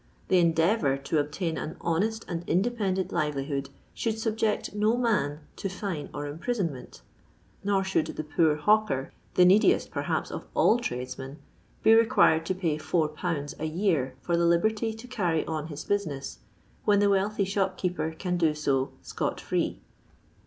The endeavour to obtain an honest and inde 2>endent livelihood should subject no man to fine or imprisonment; nor should the poor hawker — the neediest perhaps of all tradesmen — be required to pay 4/. a year for the liberty to carry on his business when the wealthy shopkeeper can do so " scot free."